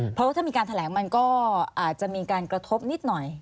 เพราะว่าถ้ามีการแถลงมันก็อาจจะมีการกระทบนิดหน่อย